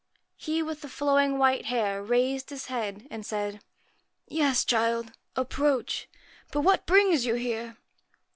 He with the flowing white hair raised his head, and said 'Yes, child, approach. But what brings you here